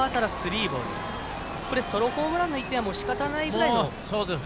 もうソロホームランの１点はしかたないぐらいの。